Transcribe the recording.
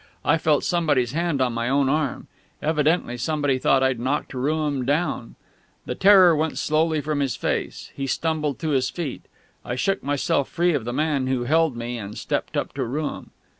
I felt somebody's hand on my own arm. Evidently somebody thought I'd knocked Rooum down. The terror went slowly from his face. He stumbled to his feet. I shook myself free of the man who held me and stepped up to Rooum.